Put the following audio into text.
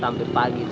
sampai pagi tadi